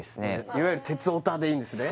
いわゆる鉄オタでいいんですね？